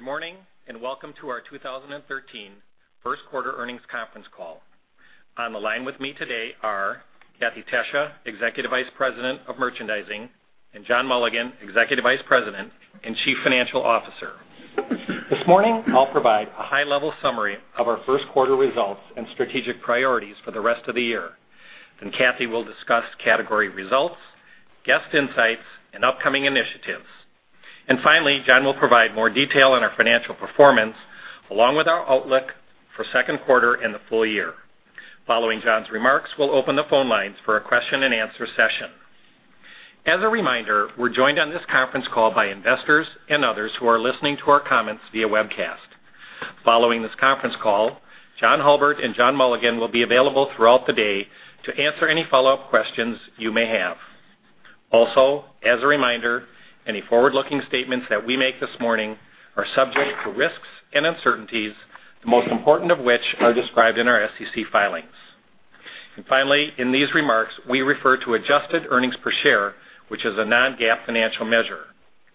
Good morning, welcome to our 2013 first quarter earnings conference call. On the line with me today are Kathee Tesija, Executive Vice President of Merchandising, and John Mulligan, Executive Vice President and Chief Financial Officer. This morning, I'll provide a high-level summary of our first quarter results and strategic priorities for the rest of the year. Kathee will discuss category results, guest insights, and upcoming initiatives. Finally, John will provide more detail on our financial performance, along with our outlook for second quarter and the full year. Following John's remarks, we'll open the phone lines for a question and answer session. As a reminder, we're joined on this conference call by investors and others who are listening to our comments via webcast. Following this conference call, John Hulbert and John Mulligan will be available throughout the day to answer any follow-up questions you may have. As a reminder, any forward-looking statements that we make this morning are subject to risks and uncertainties, the most important of which are described in our SEC filings. Finally, in these remarks, we refer to adjusted earnings per share, which is a non-GAAP financial measure.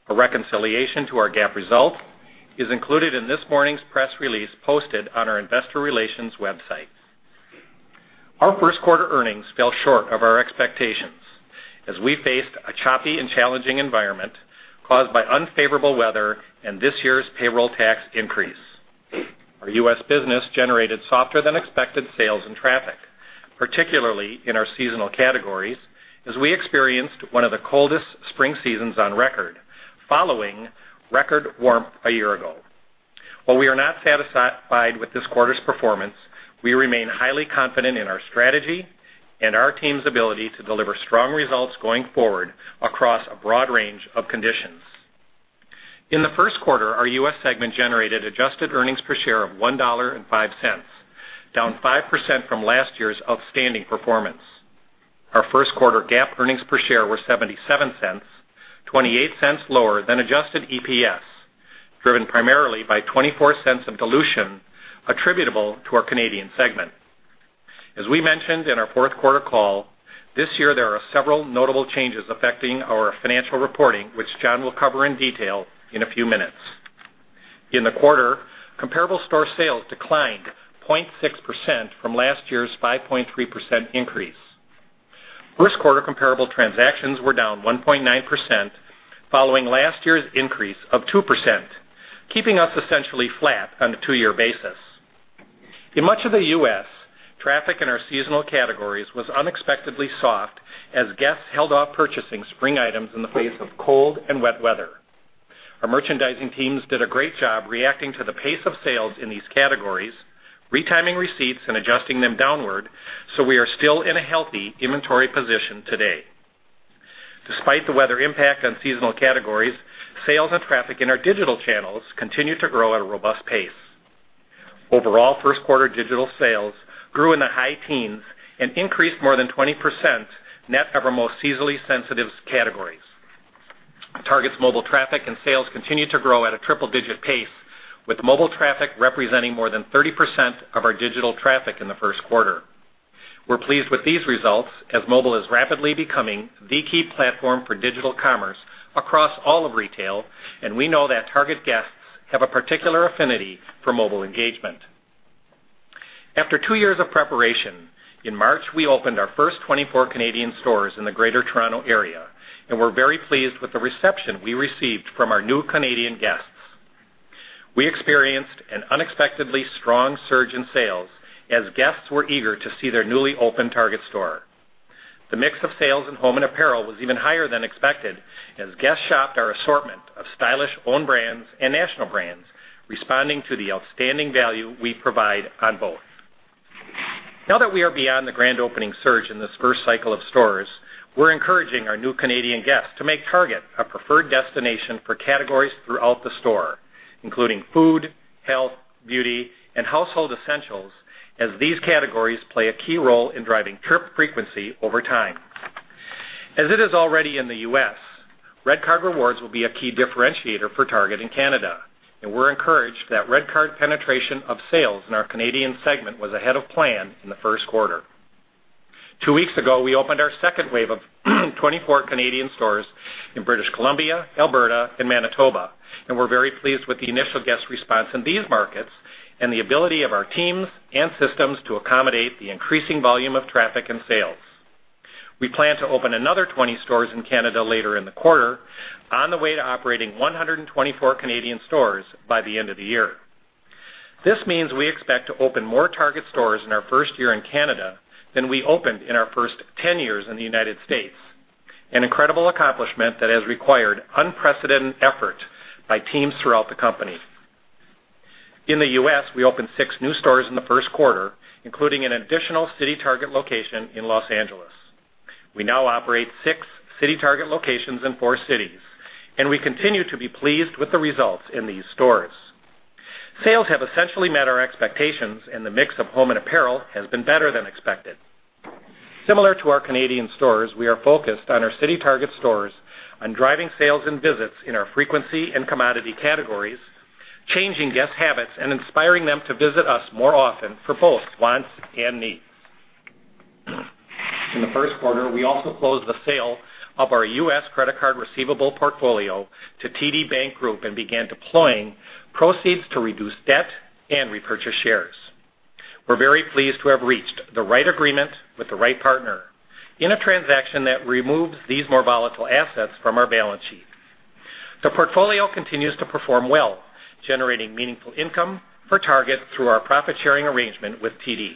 A reconciliation to our GAAP result is included in this morning's press release posted on our investor relations website. Our first quarter earnings fell short of our expectations as we faced a choppy and challenging environment caused by unfavorable weather and this year's payroll tax increase. Our U.S. business generated softer-than-expected sales and traffic, particularly in our seasonal categories, as we experienced one of the coldest spring seasons on record, following record warmth a year ago. While we are not satisfied with this quarter's performance, we remain highly confident in our strategy and our team's ability to deliver strong results going forward across a broad range of conditions. In the first quarter, our U.S. segment generated adjusted earnings per share of $1.05, down 5% from last year's outstanding performance. Our first quarter GAAP earnings per share were $0.77, $0.28 lower than adjusted EPS, driven primarily by $0.24 of dilution attributable to our Canadian segment. As we mentioned in our fourth quarter call, this year there are several notable changes affecting our financial reporting, which John will cover in detail in a few minutes. In the quarter, comparable store sales declined 0.6% from last year's 5.3% increase. First quarter comparable transactions were down 1.9%, following last year's increase of 2%, keeping us essentially flat on a two-year basis. In much of the U.S., traffic in our seasonal categories was unexpectedly soft as guests held off purchasing spring items in the face of cold and wet weather. Our merchandising teams did a great job reacting to the pace of sales in these categories, retiming receipts and adjusting them downward, so we are still in a healthy inventory position today. Despite the weather impact on seasonal categories, sales and traffic in our digital channels continued to grow at a robust pace. Overall, first quarter digital sales grew in the high teens and increased more than 20% net of our most seasonally sensitive categories. Target's mobile traffic and sales continued to grow at a triple-digit pace, with mobile traffic representing more than 30% of our digital traffic in the first quarter. We're pleased with these results, as mobile is rapidly becoming the key platform for digital commerce across all of retail, and we know that Target guests have a particular affinity for mobile engagement. After two years of preparation, in March, we opened our first 24 Canadian stores in the Greater Toronto Area, and we're very pleased with the reception we received from our new Canadian guests. We experienced an unexpectedly strong surge in sales as guests were eager to see their newly opened Target store. The mix of sales in home and apparel was even higher than expected as guests shopped our assortment of stylish own brands and national brands, responding to the outstanding value we provide on both. Now that we are beyond the grand opening surge in this first cycle of stores, we're encouraging our new Canadian guests to make Target a preferred destination for categories throughout the store, including food, health, beauty, and household essentials, as these categories play a key role in driving trip frequency over time. As it is already in the U.S., REDcard Rewards will be a key differentiator for Target in Canada, and we're encouraged that REDcard penetration of sales in our Canadian segment was ahead of plan in the first quarter. Two weeks ago, we opened our second wave of 24 Canadian stores in British Columbia, Alberta, and Manitoba, and we're very pleased with the initial guest response in these markets and the ability of our teams and systems to accommodate the increasing volume of traffic and sales. We plan to open another 20 stores in Canada later in the quarter, on the way to operating 124 Canadian stores by the end of the year. This means we expect to open more Target stores in our first year in Canada than we opened in our first 10 years in the United States, an incredible accomplishment that has required unprecedented effort by teams throughout the company. In the U.S., we opened six new stores in the first quarter, including an additional CityTarget location in Los Angeles. We now operate six CityTarget locations in four cities, and we continue to be pleased with the results in these stores. Sales have essentially met our expectations, and the mix of home and apparel has been better than expected. Similar to our Canadian stores, we are focused on our CityTarget stores on driving sales and visits in our frequency and commodity categories, changing guest habits, and inspiring them to visit us more often for both wants and needs. In the first quarter, we also closed the sale of our U.S. credit card receivable portfolio to TD Bank Group and began deploying proceeds to reduce debt and repurchase shares. We're very pleased to have reached the right agreement with the right partner in a transaction that removes these more volatile assets from our balance sheet. The portfolio continues to perform well, generating meaningful income for Target through our profit-sharing arrangement with TD.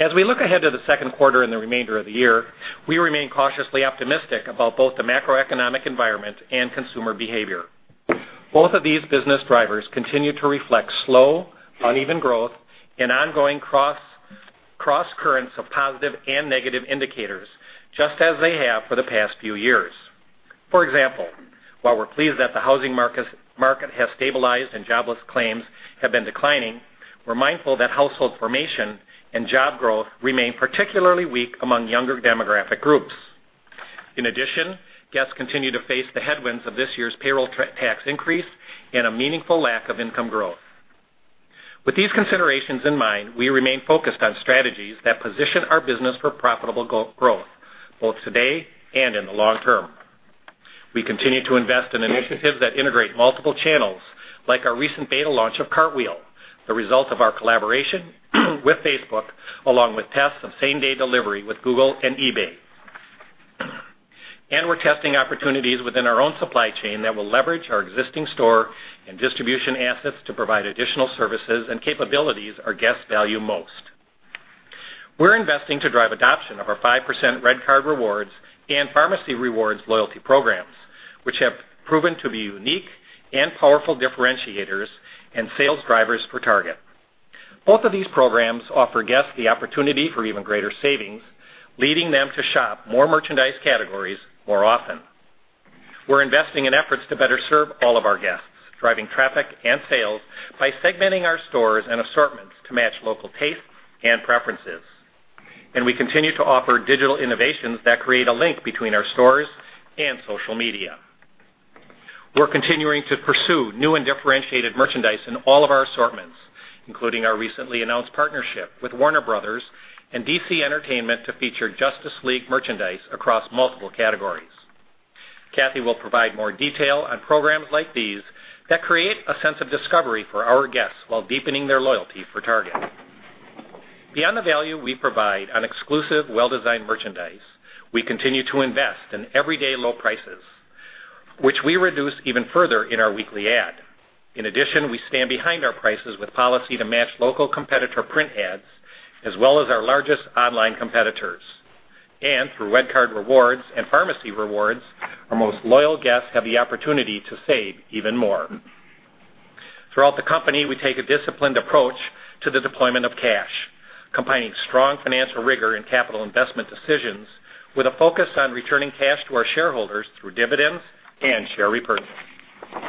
As we look ahead to the second quarter and the remainder of the year, we remain cautiously optimistic about both the macroeconomic environment and consumer behavior. Both of these business drivers continue to reflect slow, uneven growth and ongoing cross-currents of positive and negative indicators, just as they have for the past few years. For example, while we're pleased that the housing market has stabilized and jobless claims have been declining, we're mindful that household formation and job growth remain particularly weak among younger demographic groups. In addition, guests continue to face the headwinds of this year's payroll tax increase and a meaningful lack of income growth. With these considerations in mind, we remain focused on strategies that position our business for profitable growth, both today and in the long term. We continue to invest in initiatives that integrate multiple channels, like our recent beta launch of Cartwheel, the result of our collaboration with Facebook, along with tests of same-day delivery with Google and eBay. We're testing opportunities within our own supply chain that will leverage our existing store and distribution assets to provide additional services and capabilities our guests value most. We're investing to drive adoption of our 5% REDcard Rewards and Pharmacy Rewards loyalty programs, which have proven to be unique and powerful differentiators and sales drivers for Target. Both of these programs offer guests the opportunity for even greater savings, leading them to shop more merchandise categories more often. We're investing in efforts to better serve all of our guests, driving traffic and sales by segmenting our stores and assortments to match local tastes and preferences. We continue to offer digital innovations that create a link between our stores and social media. We're continuing to pursue new and differentiated merchandise in all of our assortments, including our recently announced partnership with Warner Bros. and DC Entertainment to feature Justice League merchandise across multiple categories. Kathy will provide more detail on programs like these that create a sense of discovery for our guests while deepening their loyalty for Target. Beyond the value we provide on exclusive, well-designed merchandise, we continue to invest in everyday low prices, which we reduce even further in our weekly ad. In addition, we stand behind our prices with a policy to match local competitor print ads, as well as our largest online competitors. Through REDcard Rewards and Pharmacy Rewards, our most loyal guests have the opportunity to save even more. Throughout the company, we take a disciplined approach to the deployment of cash, combining strong financial rigor in capital investment decisions with a focus on returning cash to our shareholders through dividends and share repurchase.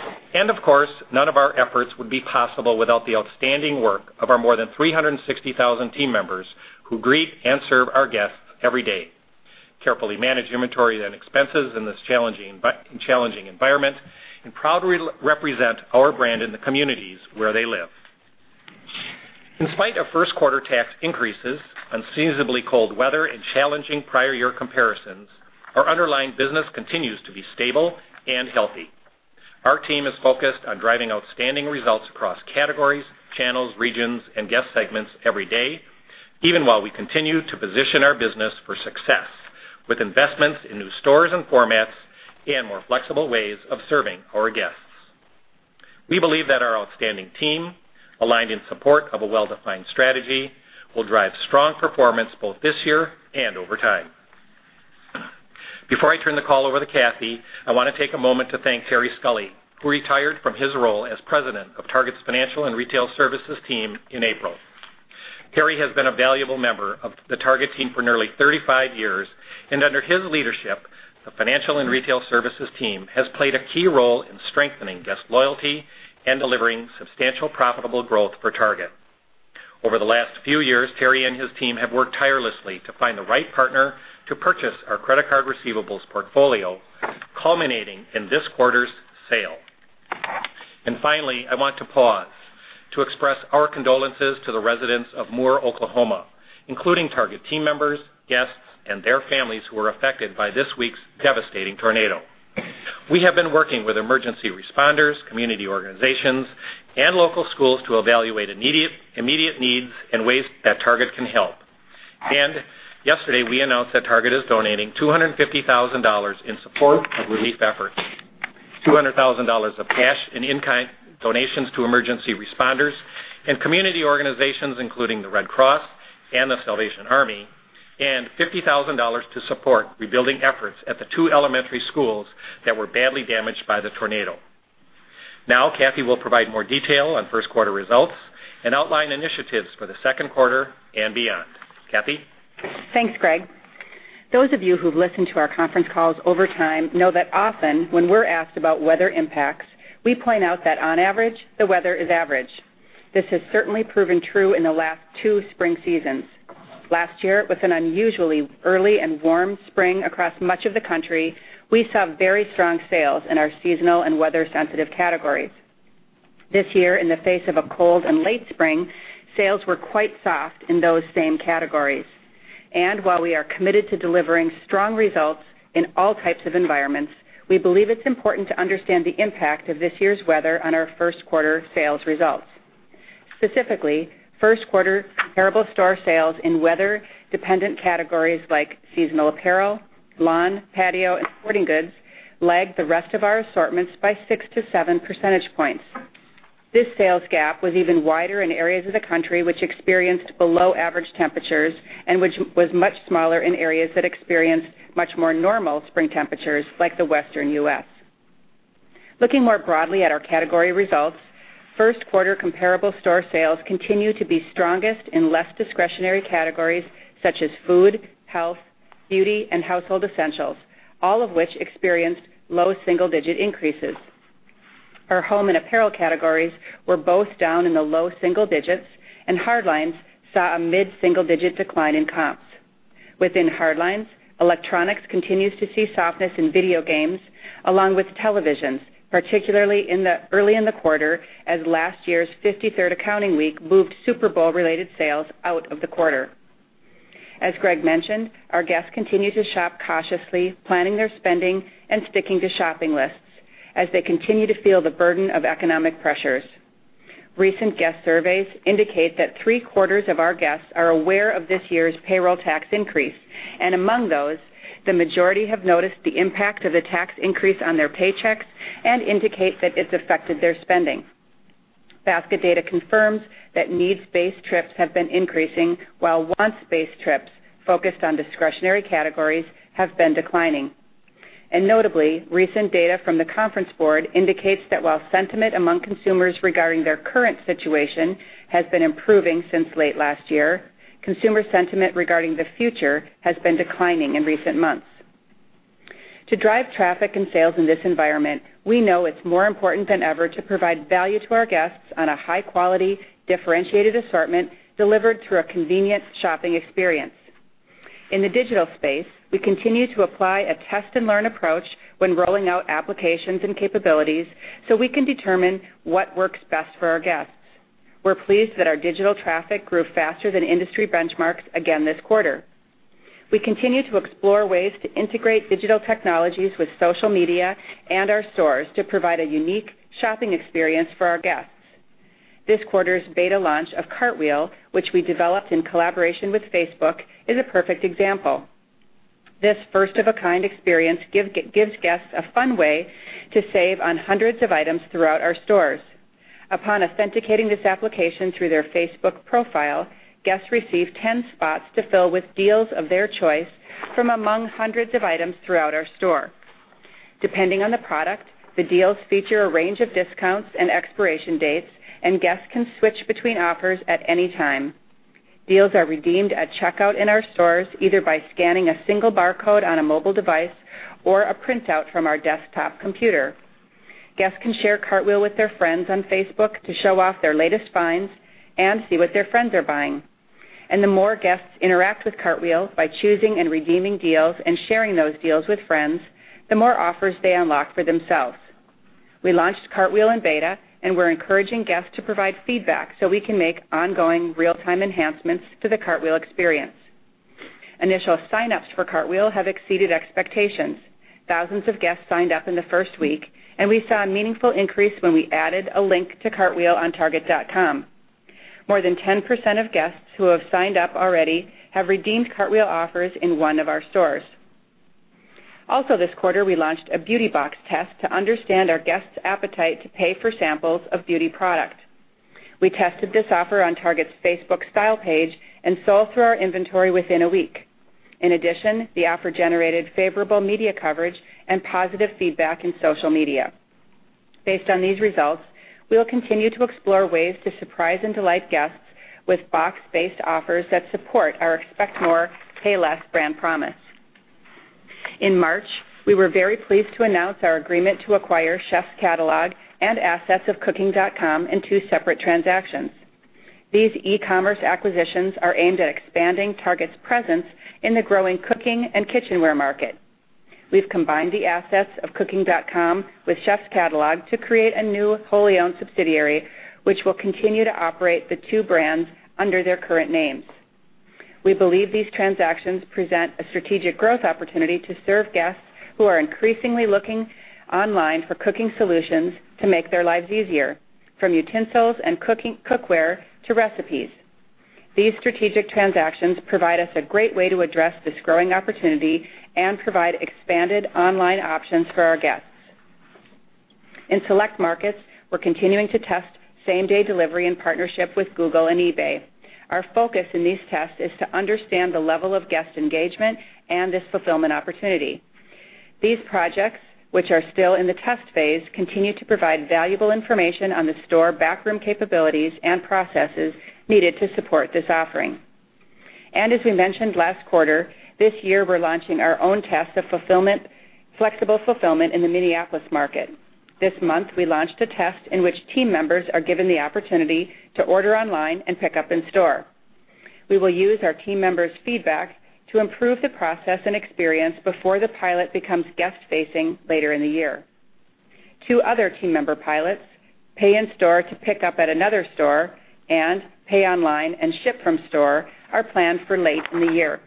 Of course, none of our efforts would be possible without the outstanding work of our more than 360,000 team members who greet and serve our guests every day, carefully manage inventory and expenses in this challenging environment, and proudly represent our brand in the communities where they live. In spite of first-quarter tax increases, unseasonably cold weather, and challenging prior year comparisons, our underlying business continues to be stable and healthy. Our team is focused on driving outstanding results across categories, channels, regions, and guest segments every day, even while we continue to position our business for success with investments in new stores and formats and more flexible ways of serving our guests. We believe that our outstanding team, aligned in support of a well-defined strategy, will drive strong performance both this year and over time. Before I turn the call over to Kathee, I want to take a moment to thank Terry Scully, who retired from his role as President of Target's Financial and Retail Services team in April. Terry has been a valuable member of the Target team for nearly 35 years, and under his leadership, the Financial and Retail Services team has played a key role in strengthening guest loyalty and delivering substantial profitable growth for Target. Over the last few years, Terry and his team have worked tirelessly to find the right partner to purchase our credit card receivables portfolio, culminating in this quarter's sale. Finally, I want to pause to express our condolences to the residents of Moore, Oklahoma, including Target team members, guests, and their families who were affected by this week's devastating tornado. We have been working with emergency responders, community organizations, and local schools to evaluate immediate needs and ways that Target can help. Yesterday, we announced that Target is donating $250,000 in support of relief efforts. $200,000 of cash and in-kind donations to emergency responders and community organizations, including the Red Cross and the Salvation Army, and $50,000 to support rebuilding efforts at the two elementary schools that were badly damaged by the tornado. Kathee will provide more detail on first-quarter results and outline initiatives for the second quarter and beyond. Kathee? Thanks, Greg. Those of you who've listened to our conference calls over time know that often when we're asked about weather impacts, we point out that on average, the weather is average. This has certainly proven true in the last two spring seasons. Last year, with an unusually early and warm spring across much of the country, we saw very strong sales in our seasonal and weather-sensitive categories. This year, in the face of a cold and late spring, sales were quite soft in those same categories. While we are committed to delivering strong results in all types of environments, we believe it's important to understand the impact of this year's weather on our first quarter sales results. Specifically, first quarter comparable store sales in weather-dependent categories like seasonal apparel, lawn, patio, and sporting goods lagged the rest of our assortments by six to seven percentage points. This sales gap was even wider in areas of the country which experienced below-average temperatures and which was much smaller in areas that experienced much more normal spring temperatures, like the Western U.S. Looking more broadly at our category results, first quarter comparable store sales continue to be strongest in less discretionary categories such as food, health, beauty, and household essentials, all of which experienced low single-digit increases. Our home and apparel categories were both down in the low single digits, and hard lines saw a mid-single-digit decline in comps. Within hard lines, electronics continues to see softness in video games, along with televisions, particularly early in the quarter, as last year's 53rd accounting week moved Super Bowl-related sales out of the quarter. As Greg mentioned, our guests continue to shop cautiously, planning their spending and sticking to shopping lists as they continue to feel the burden of economic pressures. Recent guest surveys indicate that three-quarters of our guests are aware of this year's payroll tax increase, and among those, the majority have noticed the impact of the tax increase on their paychecks and indicate that it's affected their spending. Basket data confirms that needs-based trips have been increasing, while wants-based trips focused on discretionary categories have been declining. Notably, recent data from The Conference Board indicates that while sentiment among consumers regarding their current situation has been improving since late last year, consumer sentiment regarding the future has been declining in recent months. To drive traffic and sales in this environment, we know it's more important than ever to provide value to our guests on a high-quality, differentiated assortment delivered through a convenient shopping experience. In the digital space, we continue to apply a test-and-learn approach when rolling out applications and capabilities so we can determine what works best for our guests. We're pleased that our digital traffic grew faster than industry benchmarks again this quarter. We continue to explore ways to integrate digital technologies with social media and our stores to provide a unique shopping experience for our guests. This quarter's beta launch of Cartwheel, which we developed in collaboration with Facebook, is a perfect example. This first-of-a-kind experience gives guests a fun way to save on hundreds of items throughout our stores. Upon authenticating this application through their Facebook profile, guests receive 10 spots to fill with deals of their choice from among hundreds of items throughout our store. Depending on the product, the deals feature a range of discounts and expiration dates, and guests can switch between offers at any time. Deals are redeemed at checkout in our stores, either by scanning a single barcode on a mobile device or a printout from our desktop computer. Guests can share Cartwheel with their friends on Facebook to show off their latest finds and see what their friends are buying. The more guests interact with Cartwheel by choosing and redeeming deals and sharing those deals with friends, the more offers they unlock for themselves. We launched Cartwheel in beta, and we're encouraging guests to provide feedback so we can make ongoing real-time enhancements to the Cartwheel experience. Initial sign-ups for Cartwheel have exceeded expectations. Thousands of guests signed up in the first week, and we saw a meaningful increase when we added a link to target.com. More than 10% of guests who have signed up already have redeemed Cartwheel offers in one of our stores. Also this quarter, we launched a beauty box test to understand our guests' appetite to pay for samples of beauty product. We tested this offer on Target's Facebook style page and sold through our inventory within a week. In addition, the offer generated favorable media coverage and positive feedback in social media. Based on these results, we will continue to explore ways to surprise and delight guests with box-based offers that support our Expect More. Pay Less. brand promise. In March, we were very pleased to announce our agreement to acquire Chefs Catalog and assets of cooking.com in two separate transactions. These e-commerce acquisitions are aimed at expanding Target's presence in the growing cooking and kitchenware market. We've combined the assets of cooking.com with Chefs Catalog to create a new wholly-owned subsidiary, which will continue to operate the two brands under their current names. We believe these transactions present a strategic growth opportunity to serve guests who are increasingly looking online for cooking solutions to make their lives easier, from utensils and cookware to recipes. These strategic transactions provide us a great way to address this growing opportunity and provide expanded online options for our guests. In select markets, we're continuing to test same-day delivery in partnership with Google and eBay. Our focus in these tests is to understand the level of guest engagement and this fulfillment opportunity. These projects, which are still in the test phase, continue to provide valuable information on the store backroom capabilities and processes needed to support this offering. As we mentioned last quarter, this year, we're launching our own test of flexible fulfillment in the Minneapolis market. This month, we launched a test in which team members are given the opportunity to order online and pick up in-store. We will use our team members' feedback to improve the process and experience before the pilot becomes guest-facing later in the year. Two other team member pilots, pay in-store to pick up at another store, and pay online and ship from store, are planned for late in the year.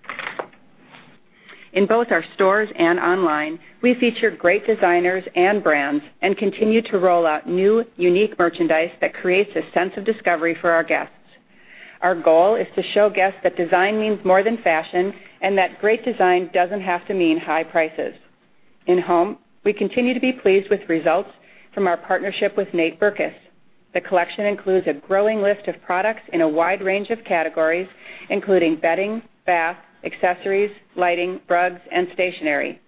In both our stores and online, we feature great designers and brands and continue to roll out new, unique merchandise that creates a sense of discovery for our guests. Our goal is to show guests that design means more than fashion and that great design doesn't have to mean high prices. In Home, we continue to be pleased with results from our partnership with Nate Berkus. The collection includes a growing list of products in a wide range of categories, including bedding, bath, accessories, lighting, rugs, and stationery.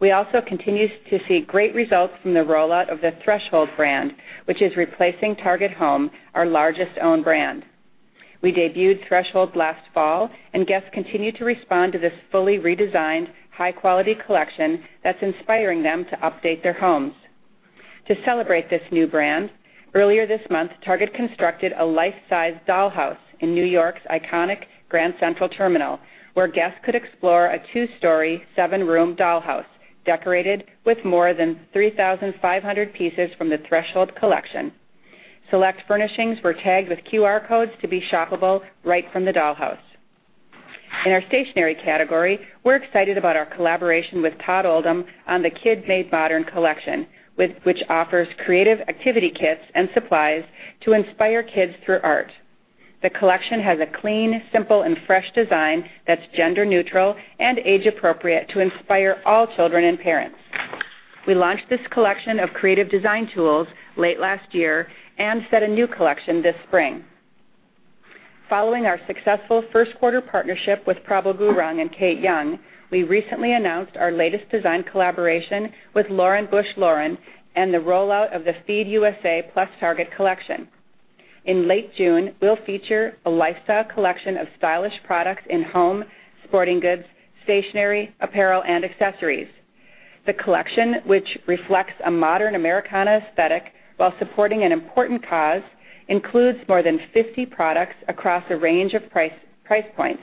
We also continue to see great results from the rollout of the Threshold brand, which is replacing Target Home, our largest own brand. We debuted Threshold last fall, and guests continue to respond to this fully redesigned, high-quality collection that's inspiring them to update their homes. To celebrate this new brand, earlier this month, Target constructed a life-size dollhouse in N.Y.'s iconic Grand Central Terminal, where guests could explore a two-story, seven-room dollhouse decorated with more than 3,500 pieces from the Threshold collection. Select furnishings were tagged with QR codes to be shoppable right from the dollhouse. In our stationery category, we're excited about our collaboration with Todd Oldham on the Kid Made Modern collection, which offers creative activity kits and supplies to inspire kids through art. The collection has a clean, simple, and fresh design that's gender-neutral and age-appropriate to inspire all children and parents. We launched this collection of creative design tools late last year and set a new collection this spring. Following our successful first-quarter partnership with Prabal Gurung and Kate Young, we recently announced our latest design collaboration with Lauren Bush Lauren and the rollout of the FEED USA + Target collection. In late June, we'll feature a lifestyle collection of stylish products in home, sporting goods, stationery, apparel, and accessories. The collection, which reflects a modern Americana aesthetic while supporting an important cause, includes more than 50 products across a range of price points,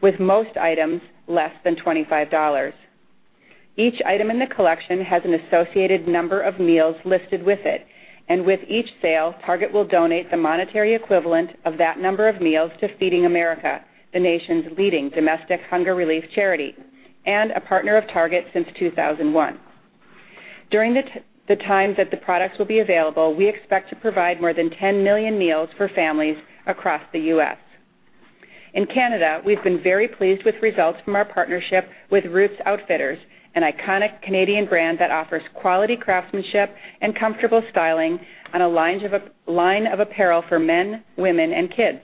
with most items less than $25. Each item in the collection has an associated number of meals listed with it. With each sale, Target will donate the monetary equivalent of that number of meals to Feeding America, the nation's leading domestic hunger relief charity and a partner of Target since 2001. During the time that the products will be available, we expect to provide more than 10 million meals for families across the U.S. In Canada, we've been very pleased with results from our partnership with Roots Outfitters, an iconic Canadian brand that offers quality craftsmanship and comfortable styling on a line of apparel for men, women, and kids.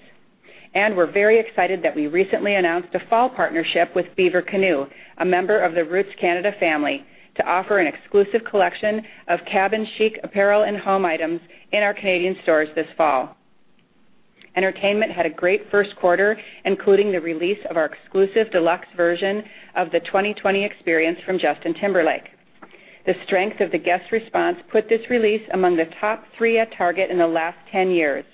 We're very excited that we recently announced a fall partnership with Beaver Canoe, a member of the Roots Canada family, to offer an exclusive collection of cabin chic apparel and home items in our Canadian stores this fall. Entertainment had a great first quarter, including the release of our exclusive deluxe version of The 20/20 Experience from Justin Timberlake. The strength of the guest response put this release among the top three at Target in the last 10 years.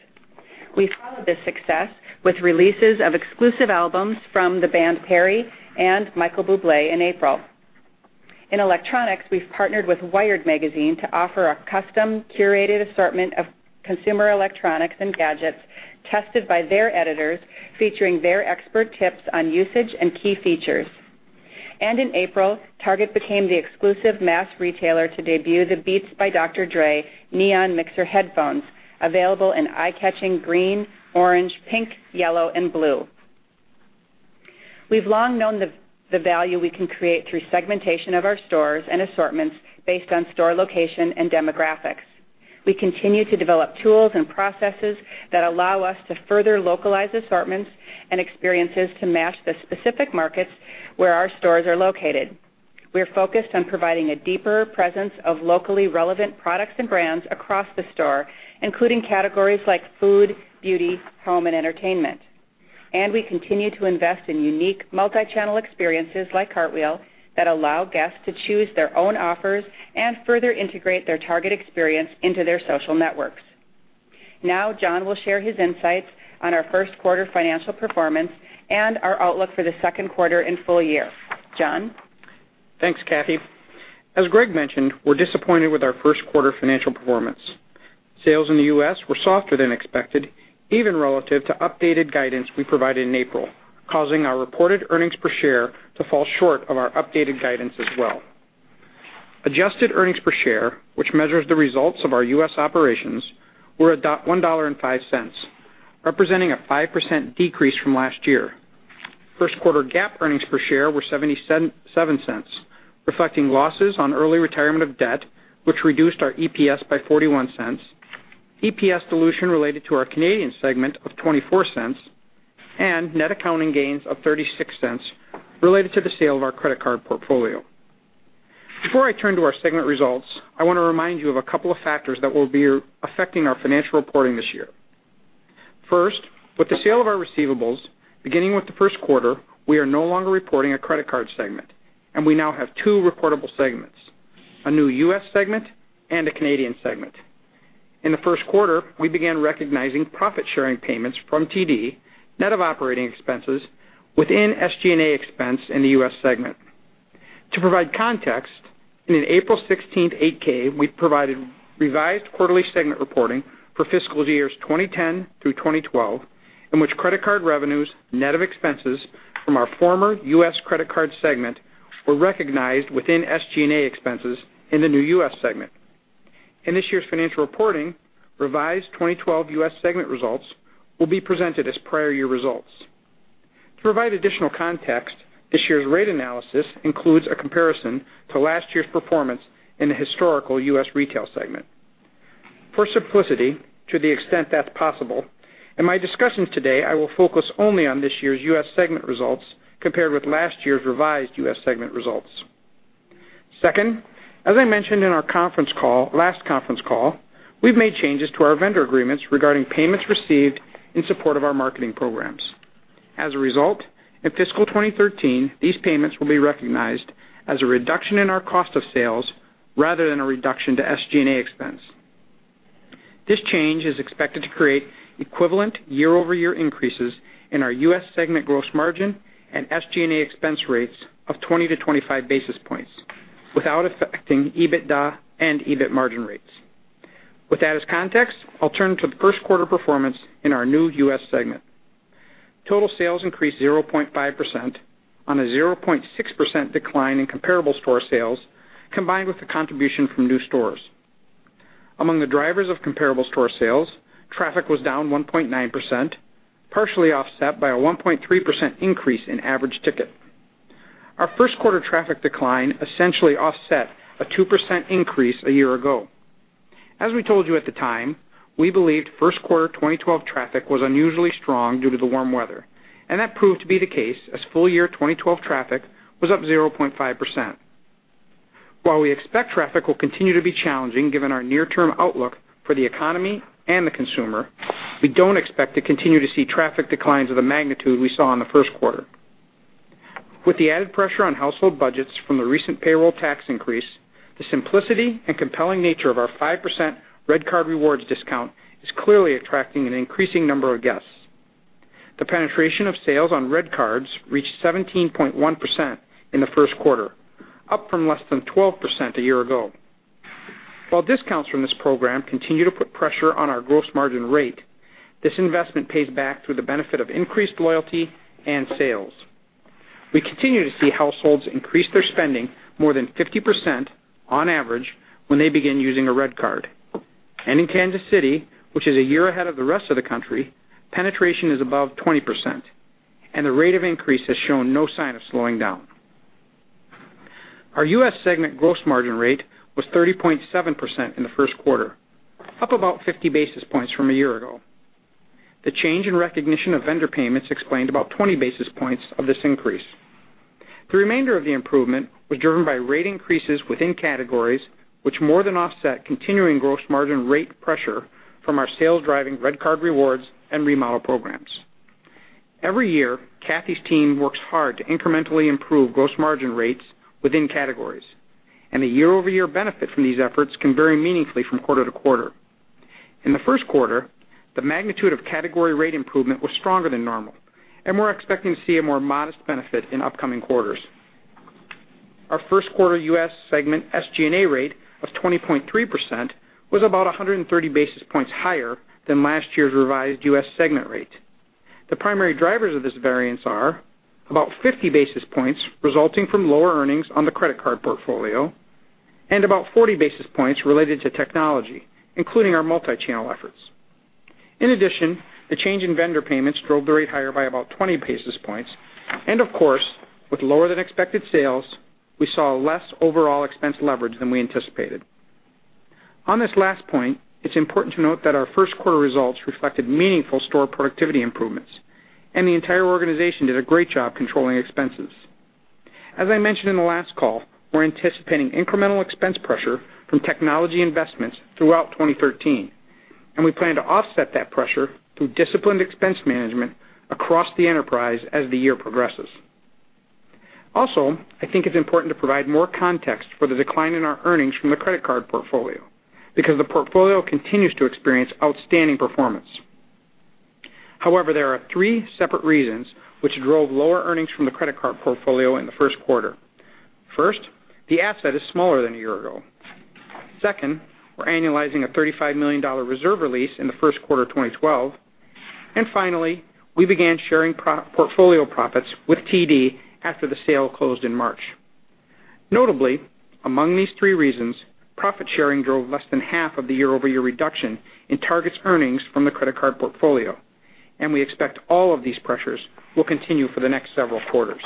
We followed this success with releases of exclusive albums from The Band Perry and Michael Bublé in April. In electronics, we've partnered with Wired magazine to offer a custom, curated assortment of consumer electronics and gadgets tested by their editors, featuring their expert tips on usage and key features. In April, Target became the exclusive mass retailer to debut the Beats by Dr. Dre Mixr headphones, available in eye-catching green, orange, pink, yellow, and blue. We've long known the value we can create through segmentation of our stores and assortments based on store location and demographics. We continue to develop tools and processes that allow us to further localize assortments and experiences to match the specific markets where our stores are located. We're focused on providing a deeper presence of locally relevant products and brands across the store, including categories like food, beauty, home, and entertainment. We continue to invest in unique multi-channel experiences like Cartwheel that allow guests to choose their own offers and further integrate their Target experience into their social networks. Now, John will share his insights on our first quarter financial performance and our outlook for the second quarter and full year. John? Thanks, Kathee. As Gregg mentioned, we're disappointed with our first quarter financial performance. Sales in the U.S. were softer than expected, even relative to updated guidance we provided in April, causing our reported earnings per share to fall short of our updated guidance as well. Adjusted earnings per share, which measures the results of our U.S. operations, were at $1.05, representing a 5% decrease from last year. First quarter GAAP earnings per share were $0.77, reflecting losses on early retirement of debt, which reduced our EPS by $0.41, EPS dilution related to our Canadian segment of $0.24, and net accounting gains of $0.36 related to the sale of our credit card portfolio. Before I turn to our segment results, I want to remind you of a couple of factors that will be affecting our financial reporting this year. First, with the sale of our receivables, beginning with the first quarter, we are no longer reporting a credit card segment, and we now have two reportable segments, a new U.S. segment and a Canadian segment. In the first quarter, we began recognizing profit-sharing payments from TD, net of operating expenses, within SG&A expense in the U.S. segment. To provide context, in an April 16th 8-K, we provided revised quarterly segment reporting for fiscal years 2010 through 2012, in which credit card revenues, net of expenses from our former U.S. credit card segment, were recognized within SG&A expenses in the new U.S. segment. In this year's financial reporting, revised 2012 U.S. segment results will be presented as prior year results. To provide additional context, this year's rate analysis includes a comparison to last year's performance in the historical U.S. retail segment. For simplicity, to the extent that's possible, in my discussions today, I will focus only on this year's U.S. segment results compared with last year's revised U.S. segment results. Second, as I mentioned in our last conference call, we've made changes to our vendor agreements regarding payments received in support of our marketing programs. As a result, in fiscal 2013, these payments will be recognized as a reduction in our cost of sales rather than a reduction to SG&A expense. This change is expected to create equivalent year-over-year increases in our U.S. segment gross margin and SG&A expense rates of 20 to 25 basis points without affecting EBITDA and EBIT margin rates. With that as context, I'll turn to the first quarter performance in our new U.S. segment. Total sales increased 0.5% on a 0.6% decline in comparable store sales, combined with the contribution from new stores. Among the drivers of comparable store sales, traffic was down 1.9%, partially offset by a 1.3% increase in average ticket. Our first quarter traffic decline essentially offset a 2% increase a year ago. As we told you at the time, we believed first quarter 2012 traffic was unusually strong due to the warm weather, and that proved to be the case as full-year 2012 traffic was up 0.5%. While we expect traffic will continue to be challenging given our near-term outlook for the economy and the consumer, we don't expect to continue to see traffic declines of the magnitude we saw in the first quarter. With the added pressure on household budgets from the recent payroll tax increase, the simplicity and compelling nature of our 5% REDcard Rewards discount is clearly attracting an increasing number of guests. The penetration of sales on REDcards reached 17.1% in the first quarter, up from less than 12% a year ago. While discounts from this program continue to put pressure on our gross margin rate, this investment pays back through the benefit of increased loyalty and sales. We continue to see households increase their spending more than 50%, on average, when they begin using a REDcard. In Kansas City, which is a year ahead of the rest of the country, penetration is above 20%, and the rate of increase has shown no sign of slowing down. Our U.S. segment gross margin rate was 30.7% in the first quarter, up about 50 basis points from a year ago. The change in recognition of vendor payments explained about 20 basis points of this increase. The remainder of the improvement was driven by rate increases within categories, which more than offset continuing gross margin rate pressure from our sales-driving REDcard Rewards and remodel programs. Every year, Kathee's team works hard to incrementally improve gross margin rates within categories, and the year-over-year benefit from these efforts can vary meaningfully from quarter to quarter. In the first quarter, the magnitude of category rate improvement was stronger than normal, and we're expecting to see a more modest benefit in upcoming quarters. Our first quarter U.S. segment SG&A rate of 20.3% was about 130 basis points higher than last year's revised U.S. segment rate. The primary drivers of this variance are about 50 basis points resulting from lower earnings on the credit card portfolio and about 40 basis points related to technology, including our multi-channel efforts. In addition, the change in vendor payments drove the rate higher by about 20 basis points. Of course, with lower-than-expected sales, we saw less overall expense leverage than we anticipated. On this last point, it's important to note that our first quarter results reflected meaningful store productivity improvements, and the entire organization did a great job controlling expenses. As I mentioned in the last call, we're anticipating incremental expense pressure from technology investments throughout 2013, and we plan to offset that pressure through disciplined expense management across the enterprise as the year progresses. Also, I think it's important to provide more context for the decline in our earnings from the credit card portfolio because the portfolio continues to experience outstanding performance. However, there are three separate reasons which drove lower earnings from the credit card portfolio in the first quarter. First, the asset is smaller than a year ago. Second, we're annualizing a $35 million reserve release in the first quarter of 2012. Finally, we began sharing portfolio profits with TD after the sale closed in March. Notably, among these three reasons, profit-sharing drove less than half of the year-over-year reduction in Target's earnings from the credit card portfolio, and we expect all of these pressures will continue for the next several quarters.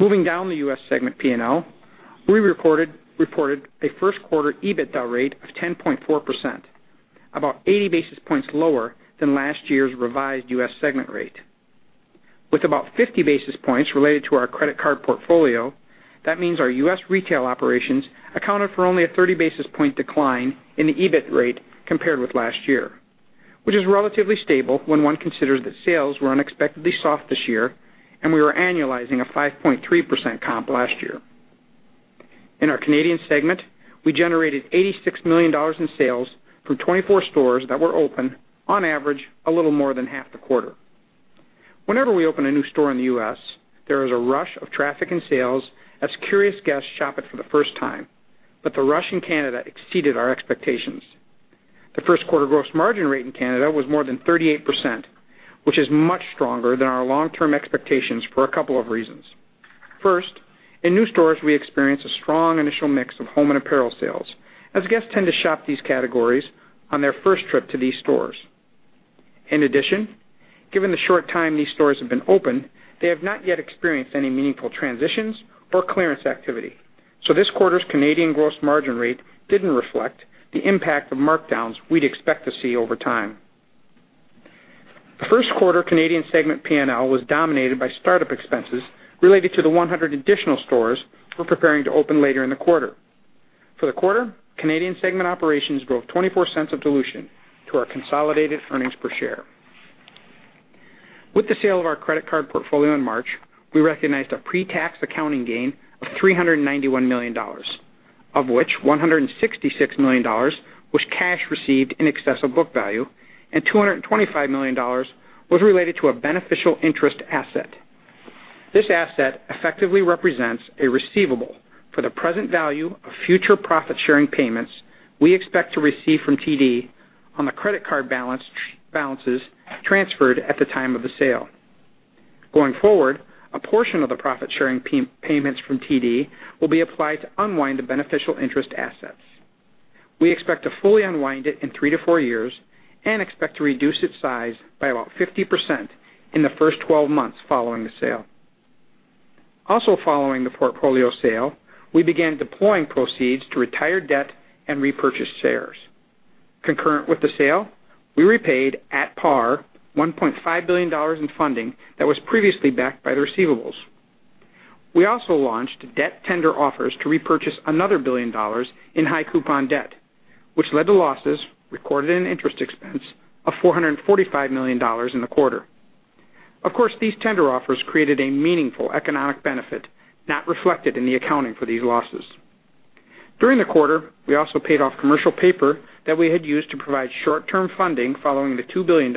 Moving down the U.S. segment P&L, we reported a first quarter EBITDA rate of 10.4%, about 80 basis points lower than last year's revised U.S. segment rate. With about 50 basis points related to our credit card portfolio, that means our U.S. retail operations accounted for only a 30 basis point decline in the EBIT rate compared with last year. Which is relatively stable when one considers that sales were unexpectedly soft this year, and we were annualizing a 5.3% comp last year. In our Canadian segment, we generated $86 million in sales from 24 stores that were open, on average, a little more than half the quarter. Whenever we open a new store in the U.S., there is a rush of traffic and sales as curious guests shop it for the first time. The rush in Canada exceeded our expectations. The first quarter gross margin rate in Canada was more than 38%, which is much stronger than our long-term expectations for a couple of reasons. First, in new stores, we experience a strong initial mix of home and apparel sales, as guests tend to shop these categories on their first trip to these stores. In addition, given the short time these stores have been open, they have not yet experienced any meaningful transitions or clearance activity. This quarter's Canadian gross margin rate didn't reflect the impact of markdowns we'd expect to see over time. The first quarter Canadian segment P&L was dominated by startup expenses related to the 100 additional stores we're preparing to open later in the quarter. For the quarter, Canadian segment operations drove $0.24 of dilution to our consolidated earnings per share. With the sale of our credit card portfolio in March, we recognized a pre-tax accounting gain of $391 million, of which $166 million was cash received in excess of book value, and $225 million was related to a beneficial interest asset. This asset effectively represents a receivable for the present value of future profit-sharing payments we expect to receive from TD on the credit card balances transferred at the time of the sale. Going forward, a portion of the profit sharing payments from TD will be applied to unwind the beneficial interest assets. We expect to fully unwind it in three to four years and expect to reduce its size by about 50% in the first 12 months following the sale. Also following the portfolio sale, we began deploying proceeds to retire debt and repurchase shares. Concurrent with the sale, we repaid at par $1.5 billion in funding that was previously backed by the receivables. We also launched debt tender offers to repurchase another $1 billion in high coupon debt, which led to losses recorded in interest expense of $445 million in the quarter. Of course, these tender offers created a meaningful economic benefit not reflected in the accounting for these losses. During the quarter, we also paid off commercial paper that we had used to provide short-term funding following the $2 billion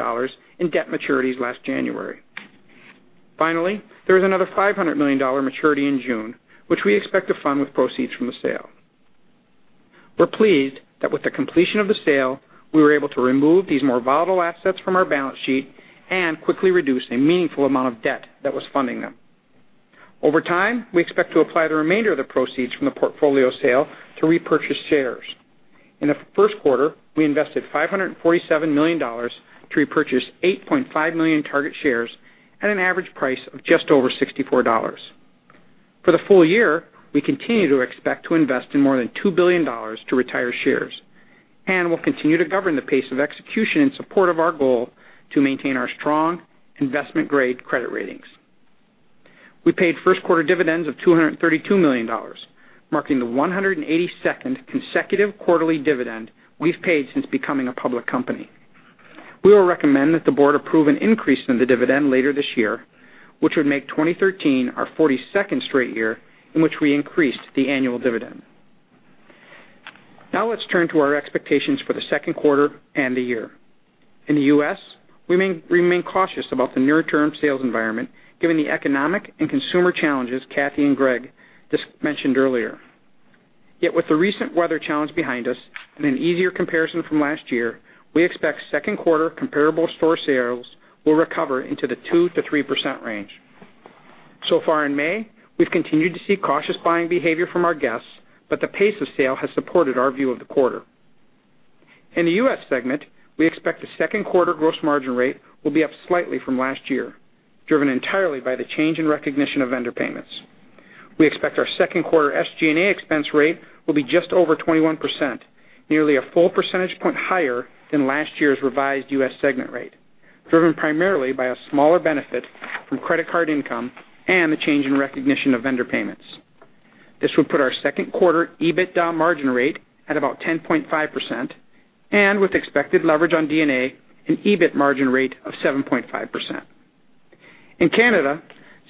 in debt maturities last January. Finally, there is another $500 million maturity in June, which we expect to fund with proceeds from the sale. We're pleased that with the completion of the sale, we were able to remove these more volatile assets from our balance sheet and quickly reduce a meaningful amount of debt that was funding them. Over time, we expect to apply the remainder of the proceeds from the portfolio sale to repurchase shares. In the first quarter, we invested $547 million to repurchase 8.5 million Target shares at an average price of just over $64. For the full year, we continue to expect to invest in more than $2 billion to retire shares. We'll continue to govern the pace of execution in support of our goal to maintain our strong investment-grade credit ratings. We paid first quarter dividends of $232 million, marking the 182nd consecutive quarterly dividend we've paid since becoming a public company. We will recommend that the board approve an increase in the dividend later this year, which would make 2013 our 42nd straight year in which we increased the annual dividend. Now let's turn to our expectations for the second quarter and the year. In the U.S., we remain cautious about the near-term sales environment, given the economic and consumer challenges Kathy and Greg just mentioned earlier. Yet, with the recent weather challenge behind us and an easier comparison from last year, we expect second quarter comparable store sales will recover into the 2%-3% range. Far in May, we've continued to see cautious buying behavior from our guests, but the pace of sale has supported our view of the quarter. In the U.S. segment, we expect the second quarter gross margin rate will be up slightly from last year, driven entirely by the change in recognition of vendor payments. We expect our second quarter SG&A expense rate will be just over 21%, nearly a full percentage point higher than last year's revised U.S. segment rate, driven primarily by a smaller benefit from credit card income and the change in recognition of vendor payments. This would put our second quarter EBITDA margin rate at about 10.5% and with expected leverage on D&A, an EBIT margin rate of 7.5%. In Canada,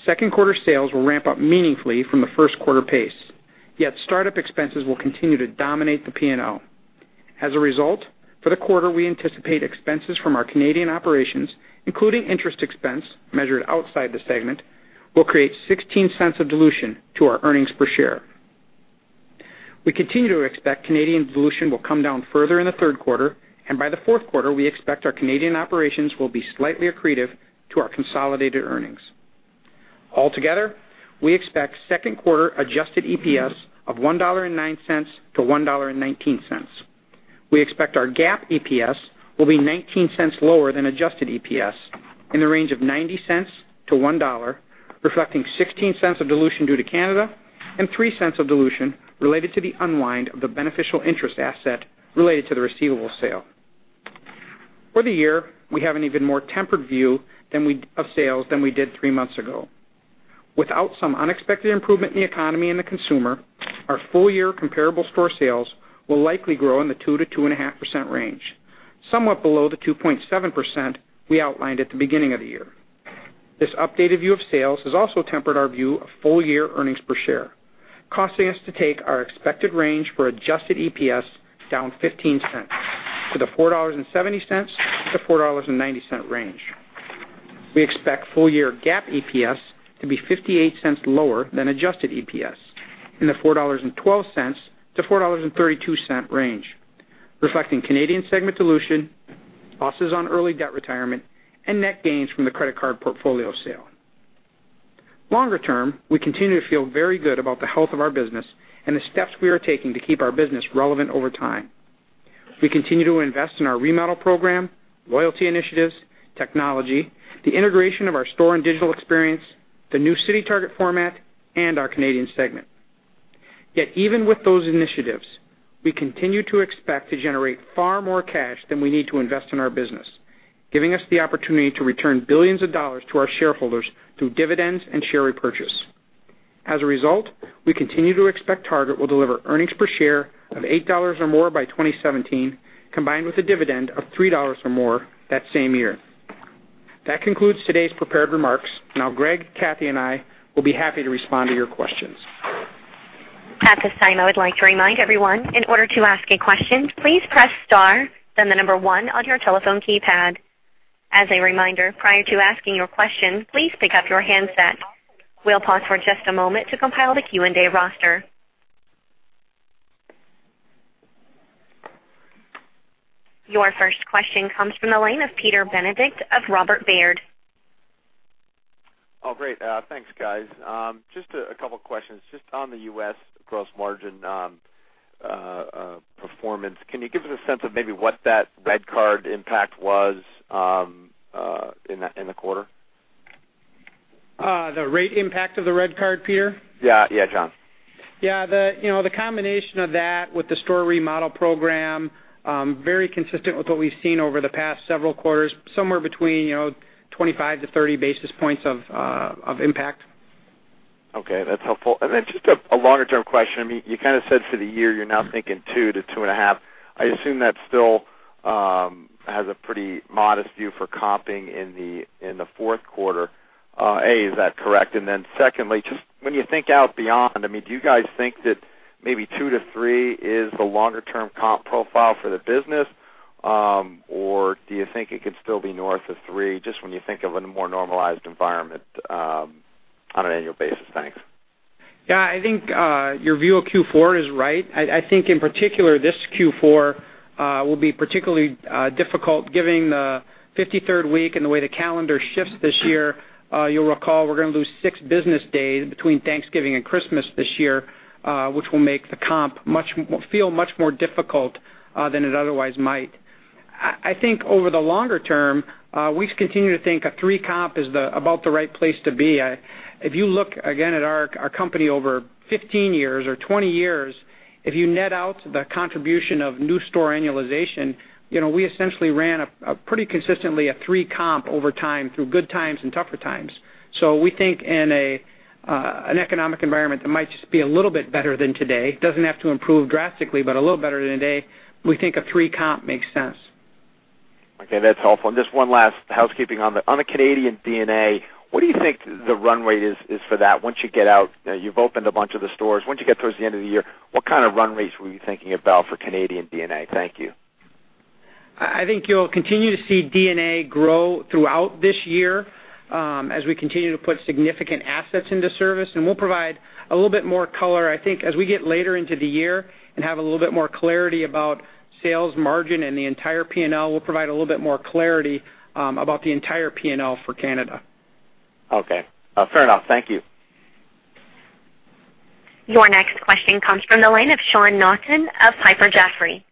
second quarter sales will ramp up meaningfully from the first quarter pace. Yet startup expenses will continue to dominate the P&L. A result, for the quarter, we anticipate expenses from our Canadian operations, including interest expense measured outside the segment, will create $0.16 of dilution to our earnings per share. We continue to expect Canadian dilution will come down further in the third quarter, and by the fourth quarter, we expect our Canadian operations will be slightly accretive to our consolidated earnings. Altogether, we expect second quarter adjusted EPS of $1.09 to $1.19. We expect our GAAP EPS will be $0.19 lower than adjusted EPS in the range of $0.90 to $1.00, reflecting $0.16 of dilution due to Canada and $0.03 of dilution related to the unwind of the beneficial interest asset related to the receivables sale. For the year, we have an even more tempered view of sales than we did three months ago. Without some unexpected improvement in the economy and the consumer, our full-year comparable store sales will likely grow in the 2%-2.5% range, somewhat below the 2.7% we outlined at the beginning of the year. This updated view of sales has also tempered our view of full-year earnings per share, costing us to take our expected range for adjusted EPS down $0.15, to the $4.70 to $4.90 range. We expect full-year GAAP EPS to be $0.58 lower than adjusted EPS, in the $4.12 to $4.32 range, reflecting Canadian segment dilution, losses on early debt retirement, and net gains from the credit card portfolio sale. Longer term, we continue to feel very good about the health of our business and the steps we are taking to keep our business relevant over time. We continue to invest in our remodel program, loyalty initiatives, technology, the integration of our store and digital experience, the new CityTarget format, and our Canadian segment. Even with those initiatives, we continue to expect to generate far more cash than we need to invest in our business, giving us the opportunity to return billions of dollars to our shareholders through dividends and share repurchase. A result, we continue to expect Target will deliver earnings per share of $8 or more by 2017, combined with a dividend of $3 or more that same year. That concludes today's prepared remarks. Now, Gregg, Kathee, and I will be happy to respond to your questions. At this time, I would like to remind everyone, in order to ask a question, please press star, then the number 1 on your telephone keypad. As a reminder, prior to asking your question, please pick up your handset. We'll pause for just a moment to compile the Q&A roster. Your first question comes from the line of Peter Benedict of Robert Baird. Oh, great. Thanks, guys. Just a couple of questions. Just on the U.S. gross margin performance, can you give us a sense of maybe what that REDcard impact was in the quarter? The rate impact of the REDcard, Peter? Yeah, John. Yeah. The combination of that with the store remodel program, very consistent with what we've seen over the past several quarters, somewhere between 25-30 basis points of impact. Okay, that's helpful. Just a longer-term question. You said for the year, you're now thinking 2%-2.5%. I assume that still has a pretty modest view for comping in the fourth quarter. A, is that correct? Secondly, just when you think out beyond, do you guys think that maybe 2%-3% is the longer-term comp profile for the business? Or do you think it could still be north of 3%, just when you think of a more normalized environment on an annual basis? Thanks. Yeah, I think your view of Q4 is right. I think, in particular, this Q4 will be particularly difficult given the 53rd week and the way the calendar shifts this year. You'll recall, we're going to lose six business days between Thanksgiving and Christmas this year, which will make the comp feel much more difficult than it otherwise might. I think over the longer term, we continue to think a 3% comp is about the right place to be. If you look, again, at our company over 15 years or 20 years, if you net out the contribution of new store annualization, we essentially ran a pretty consistently a 3% comp over time through good times and tougher times. We think in an economic environment that might just be a little bit better than today, doesn't have to improve drastically, but a little better than today, we think a 3% comp makes sense. Okay, that's helpful. Just one last housekeeping on the Canadian D&A. What do you think the run rate is for that once you get out? You've opened a bunch of the stores. Once you get towards the end of the year, what kind of run rates were you thinking about for Canadian D&A? Thank you. I think you'll continue to see D&A grow throughout this year as we continue to put significant assets into service. We'll provide a little bit more color, I think, as we get later into the year and have a little bit more clarity about sales margin and the entire P&L. We'll provide a little bit more clarity about the entire P&L for Canada. Okay. Fair enough. Thank you. Your next question comes from the line of Sean Naughton of Piper Jaffray.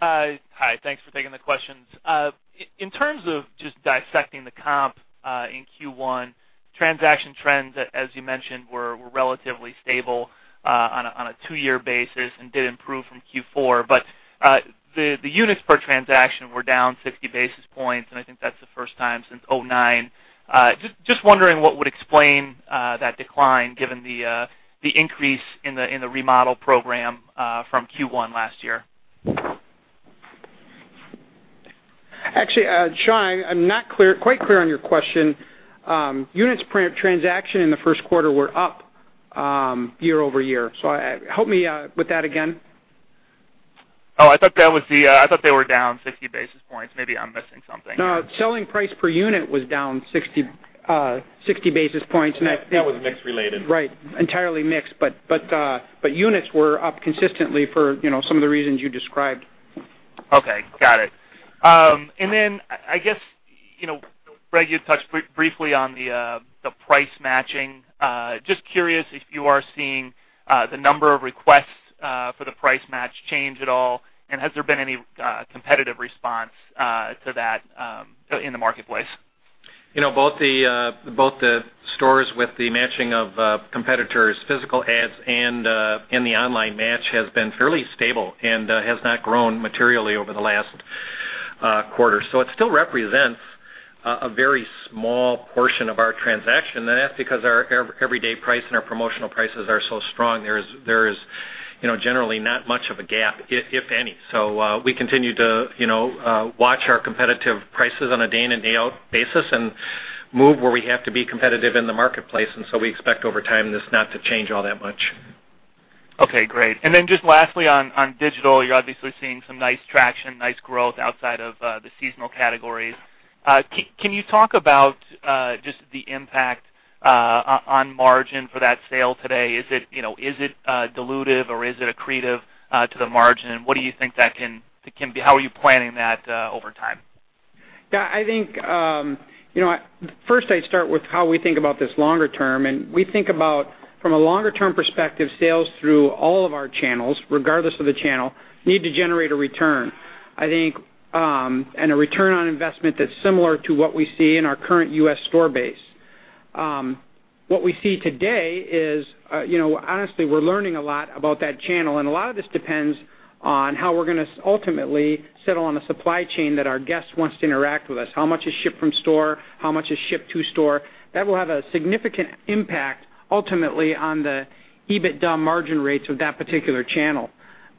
Hi. Thanks for taking the questions. In terms of just dissecting the comp in Q1, transaction trends, as you mentioned, were relatively stable on a 2-year basis and did improve from Q4. The units per transaction were down 50 basis points, and I think that's the first time since 2009. Just wondering what would explain that decline given the increase in the remodel program from Q1 last year. Actually, Sean, I'm not quite clear on your question. Units per transaction in the first quarter were up year-over-year. Help me with that again. Oh, I thought they were down 50 basis points. Maybe I'm missing something. No. Selling price per unit was down 60 basis points. That was mix related. Right. Entirely mix. Units were up consistently for some of the reasons you described. Okay. Got it. Then, I guess, Gregg, you touched briefly on the price matching. Just curious if you are seeing the number of requests for the price match change at all, and has there been any competitive response to that in the marketplace? Both the stores with the matching of competitors' physical ads and the online match has been fairly stable and has not grown materially over the last quarter. It still represents a very small portion of our transaction, and that's because our everyday price and our promotional prices are so strong. There is generally not much of a gap, if any. We continue to watch our competitive prices on a day-in and day-out basis and move where we have to be competitive in the marketplace. We expect over time, this not to change all that much. Okay, great. Just lastly, on digital, you're obviously seeing some nice traction, nice growth outside of the seasonal categories. Can you talk about just the impact on margin for that sale today? Is it dilutive or is it accretive to the margin? How are you planning that over time? I think first I'd start with how we think about this longer term. We think about from a longer-term perspective, sales through all of our channels, regardless of the channel, need to generate a return. A return on investment that's similar to what we see in our current U.S. store base. What we see today is, honestly, we're learning a lot about that channel. A lot of this depends on how we're going to ultimately settle on a supply chain that our guest wants to interact with us. How much is ship from store? How much is ship to store? That will have a significant impact, ultimately, on the EBITDA margin rates of that particular channel.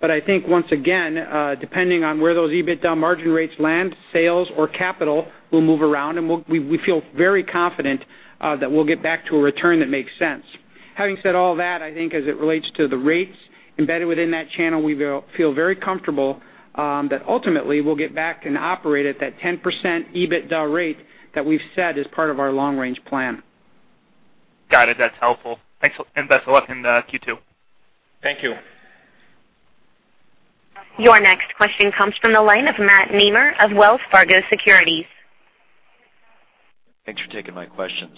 I think, once again, depending on where those EBITDA margin rates land, sales or capital will move around. We feel very confident that we'll get back to a return that makes sense. Having said all that, I think as it relates to the rates embedded within that channel, we feel very comfortable that ultimately we'll get back and operate at that 10% EBITDA rate that we've set as part of our long-range plan. Got it. That's helpful. Thanks. Best of luck in Q2. Thank you. Your next question comes from the line of Matthew Nemer of Wells Fargo Securities. Thanks for taking my questions.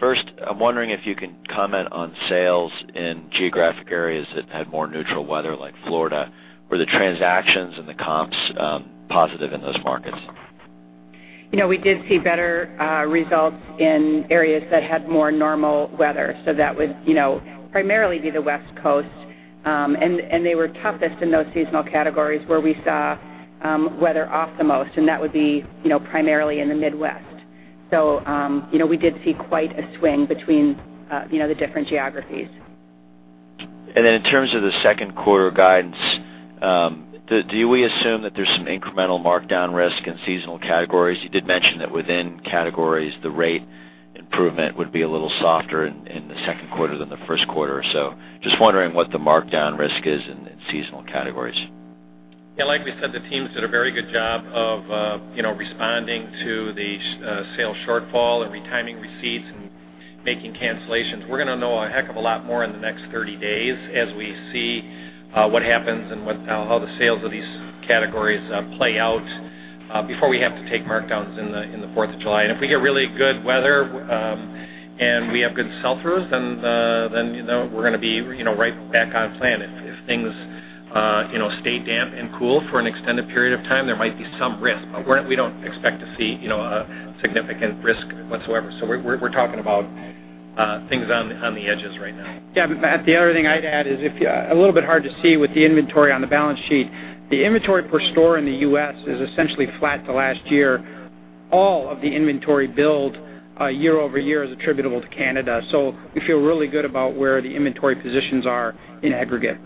First, I'm wondering if you can comment on sales in geographic areas that had more neutral weather, like Florida. Were the transactions and the comps positive in those markets? We did see better results in areas that had more normal weather. That would primarily be the West Coast. They were toughest in those seasonal categories where we saw weather off the most, that would be primarily in the Midwest. We did see quite a swing between the different geographies. In terms of the second quarter guidance, do we assume that there's some incremental markdown risk in seasonal categories? You did mention that within categories, the rate improvement would be a little softer in the second quarter than the first quarter. Just wondering what the markdown risk is in seasonal categories. Like we said, the teams did a very good job of responding to the sales shortfall and retiming receipts and making cancellations. We're going to know a heck of a lot more in the next 30 days as we see what happens and how the sales of these categories play out before we have to take markdowns in the 4th of July. If we get really good weather and we have good sell-throughs, then we're going to be right back on plan. If things stay damp and cool for an extended period of time, there might be some risk. We don't expect to see a significant risk whatsoever. We're talking about things on the edges right now. Matt, the other thing I'd add is, a little bit hard to see with the inventory on the balance sheet. The inventory per store in the U.S. is essentially flat to last year. All of the inventory build year-over-year is attributable to Canada. We feel really good about where the inventory positions are in aggregate.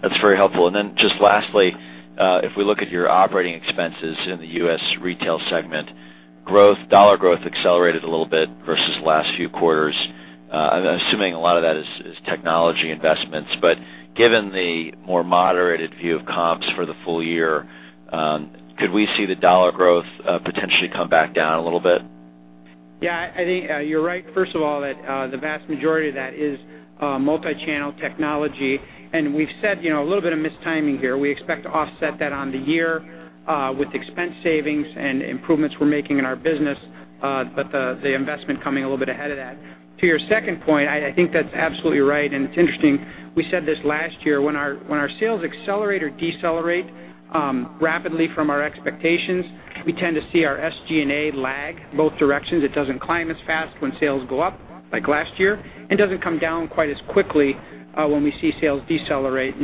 That's very helpful. Just lastly, if we look at your operating expenses in the U.S. retail segment, dollar growth accelerated a little bit versus the last few quarters. I'm assuming a lot of that is technology investments. Given the more moderated view of comps for the full year, could we see the dollar growth potentially come back down a little bit? I think you're right, first of all, that the vast majority of that is multi-channel technology, and we've said a little bit of mistiming here. We expect to offset that on the year with expense savings and improvements we're making in our business, the investment coming a little bit ahead of that. To your second point, I think that's absolutely right. It's interesting. We said this last year. When our sales accelerate or decelerate rapidly from our expectations, we tend to see our SG&A lag both directions. It doesn't climb as fast when sales go up, like last year, and doesn't come down quite as quickly when we see sales decelerate.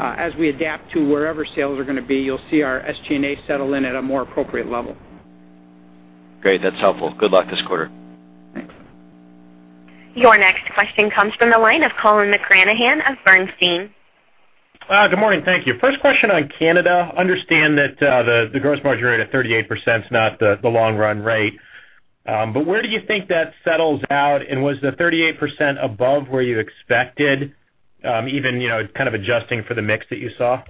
As we adapt to wherever sales are going to be, you'll see our SG&A settle in at a more appropriate level. Great. That's helpful. Good luck this quarter. Thanks. Your next question comes from the line of Colin McGranahan of Bernstein. Good morning. Thank you. First question on Canada. Understand that the gross margin rate of 38% is not the long run rate. Where do you think that settles out? Was the 38% above where you expected, even kind of adjusting for the mix that you saw?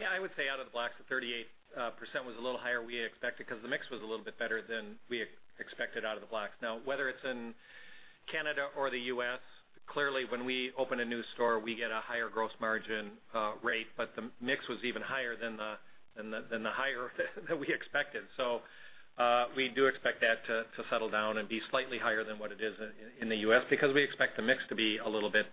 Yeah, I would say out of the blocks, the 38% was a little higher we expected because the mix was a little bit better than we expected out of the blocks. Now, whether it's in Canada or the U.S., clearly when we open a new store, we get a higher gross margin rate. The mix was even higher than the higher that we expected. We do expect that to settle down and be slightly higher than what it is in the U.S. because we expect the mix to be a little bit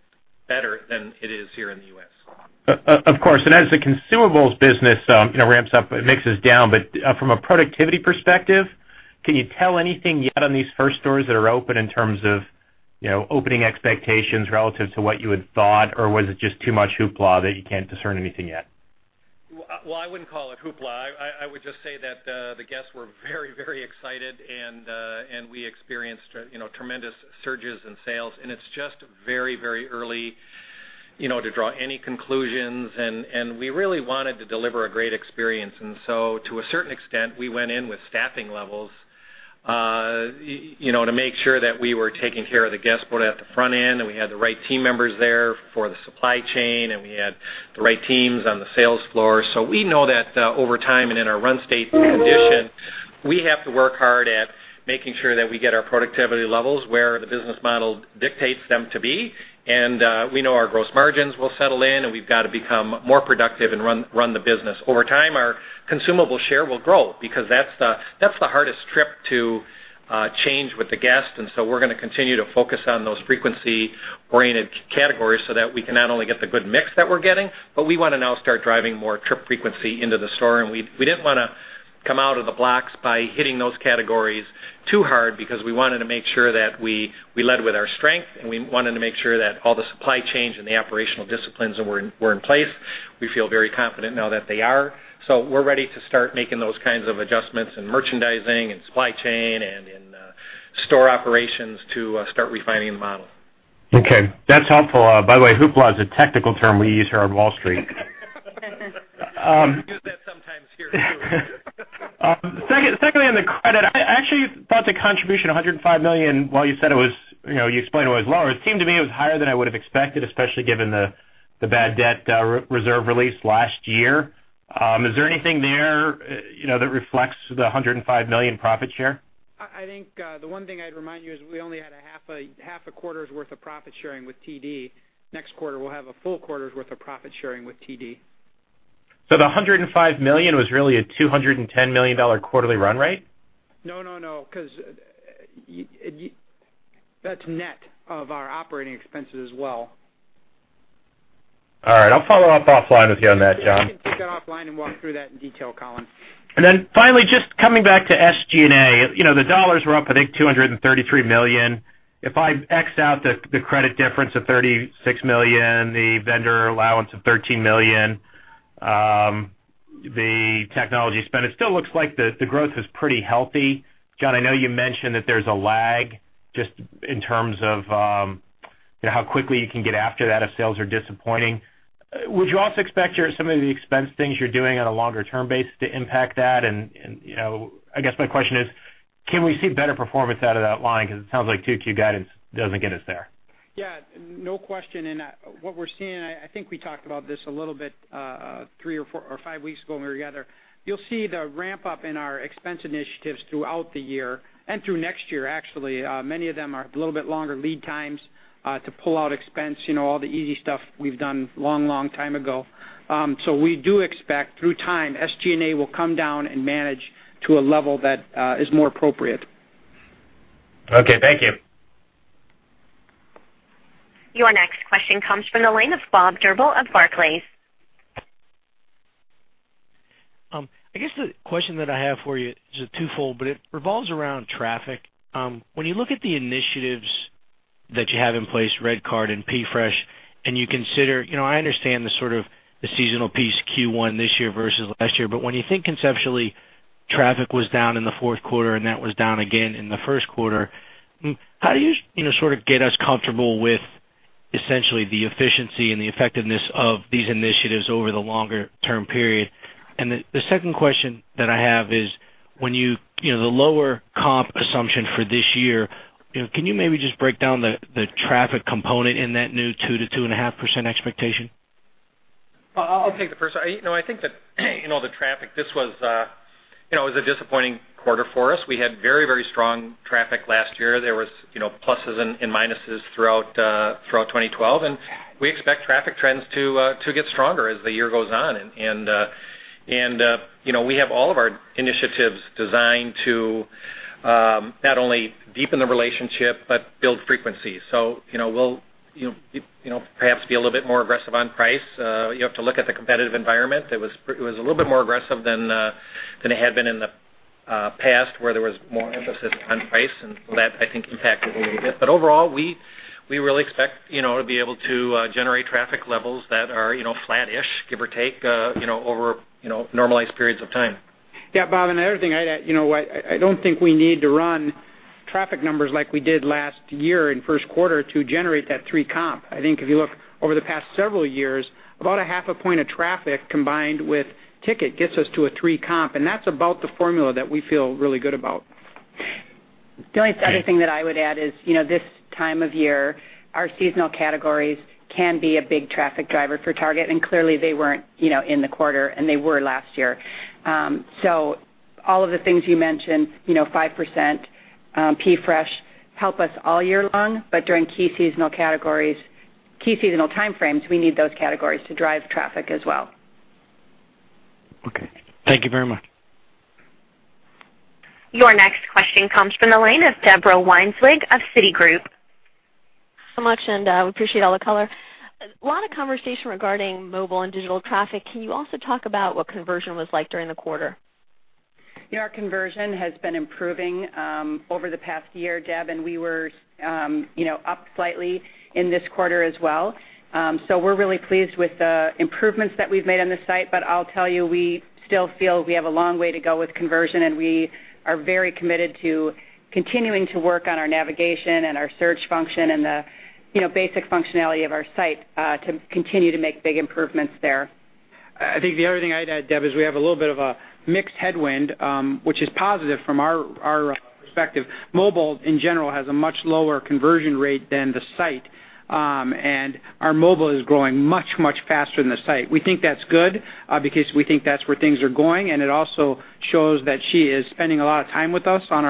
better than it is here in the U.S. Of course. As the consumables business ramps up, mix is down. From a productivity perspective, can you tell anything yet on these first stores that are open in terms of Opening expectations relative to what you had thought, or was it just too much hoopla that you can't discern anything yet? Well, I wouldn't call it hoopla. I would just say that the guests were very excited, and we experienced tremendous surges in sales. It's just very early to draw any conclusions, and we really wanted to deliver a great experience. To a certain extent, we went in with staffing levels, to make sure that we were taking care of the [guest both] at the front end, and we had the right team members there for the supply chain, and we had the right teams on the sales floor. We know that over time and in our run state condition, we have to work hard at making sure that we get our productivity levels where the business model dictates them to be. We know our gross margins will settle in, and we've got to become more productive and run the business. Over time, our consumable share will grow because that's the hardest trip to change with the guest. We're going to continue to focus on those frequency-oriented categories so that we can not only get the good mix that we're getting, but we want to now start driving more trip frequency into the store. We didn't want to come out of the blocks by hitting those categories too hard because we wanted to make sure that we led with our strength, and we wanted to make sure that all the supply chains and the operational disciplines were in place. We feel very confident now that they are. We're ready to start making those kinds of adjustments in merchandising and supply chain and in store operations to start refining the model. Okay. That's helpful. By the way, hoopla is a technical term we use here on Wall Street. We use that sometimes here, too. Secondly, on the credit, I actually thought the contribution, $105 million, while you said You explained it was lower. It seemed to me it was higher than I would've expected, especially given the bad debt reserve release last year. Is there anything there that reflects the $105 million profit share? I think the one thing I'd remind you is we only had a half a quarter's worth of profit sharing with TD. Next quarter, we'll have a full quarter's worth of profit sharing with TD. The $105 million was really a $210 million quarterly run rate? No, because that's net of our operating expenses as well. All right. I'll follow up offline with you on that, John. We can take that offline and walk through that in detail, Colin. Finally, just coming back to SG&A. The dollars were up, I think, $233 million. If I X out the credit difference of $36 million, the vendor allowance of $13 million, the technology spend, it still looks like the growth is pretty healthy. John, I know you mentioned that there's a lag just in terms of how quickly you can get after that if sales are disappointing. Would you also expect some of the expense things you're doing on a longer-term base to impact that? I guess my question is: Can we see better performance out of that line? Because it sounds like 2Q guidance doesn't get us there. Yeah, no question. What we're seeing, I think we talked about this a little bit, three or four or five weeks ago when we were together. You'll see the ramp-up in our expense initiatives throughout the year and through next year, actually. Many of them are a little bit longer lead times to pull out expense. All the easy stuff we've done a long time ago. We do expect through time, SG&A will come down and manage to a level that is more appropriate. Okay. Thank you. Your next question comes from the line of Robert Drbul of Barclays. I guess the question that I have for you is twofold. It revolves around traffic. When you look at the initiatives that you have in place, REDcard and PFresh, I understand the sort of the seasonal piece Q1 this year versus last year, but when you think conceptually, traffic was down in the fourth quarter and that was down again in the first quarter. How do you sort of get us comfortable with essentially the efficiency and the effectiveness of these initiatives over the longer-term period? The second question that I have is: When the lower comp assumption for this year, can you maybe just break down the traffic component in that new 2%-2.5% expectation? I'll take the first. I think that the traffic, this was a disappointing quarter for us. We had very strong traffic last year. There was pluses and minuses throughout 2012. We expect traffic trends to get stronger as the year goes on. We have all of our initiatives designed to not only deepen the relationship but build frequency. We'll perhaps be a little bit more aggressive on price. You have to look at the competitive environment. It was a little bit more aggressive than it had been in the past where there was more emphasis on price. That, I think, impacted it a little bit. Overall, we really expect to be able to generate traffic levels that are flat-ish, give or take, over normalized periods of time. Yeah, Bob, another thing I'd add, I don't think we need to run traffic numbers like we did last year in first quarter to generate that 3 comp. I think if you look over the past several years, about a half a point of traffic combined with ticket gets us to a 3 comp. That's about the formula that we feel really good about. The only other thing that I would add is, this time of year, our seasonal categories can be a big traffic driver for Target, and clearly, they weren't in the quarter, and they were last year. All of the things you mentioned, 5%, PFresh, help us all year long, but during key seasonal time frames, we need those categories to drive traffic as well. Okay. Thank you very much. Your next question comes from the line of Deborah Weinswig of Citigroup. So much, and we appreciate all the color. A lot of conversation regarding mobile and digital traffic. Can you also talk about what conversion was like during the quarter? Our conversion has been improving over the past year, Deb. We were up slightly in this quarter as well. We're really pleased with the improvements that we've made on the site. I'll tell you, we still feel we have a long way to go with conversion, and we are very committed to continuing to work on our navigation and our search function and the basic functionality of our site, to continue to make big improvements there. I think the other thing I'd add, Deb, is we have a little bit of a mixed headwind, which is positive from our perspective. Mobile, in general, has a much lower conversion rate than the site. Our mobile is growing much, much faster than the site. We think that's good because we think that's where things are going, and it also shows that she is spending a lot of time with us on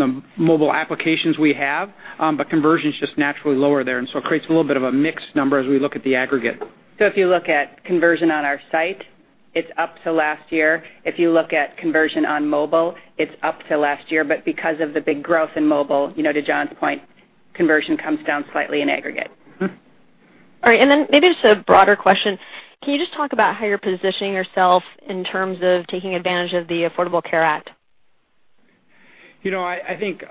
the mobile applications we have. Conversion's just naturally lower there, and so it creates a little bit of a mixed number as we look at the aggregate. If you look at conversion on our site, it's up to last year. If you look at conversion on mobile, it's up to last year. Because of the big growth in mobile, to John's point, conversion comes down slightly in aggregate. All right, maybe just a broader question. Can you just talk about how you're positioning yourself in terms of taking advantage of the Affordable Care Act? I think